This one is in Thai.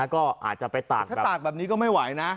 ก็อาจจะไปตากถ้าตากแบบนี้ก็ไม่ไหวนะ